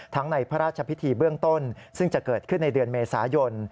ในพระราชพิธีเบื้องต้นซึ่งจะเกิดขึ้นในเดือนเมษายน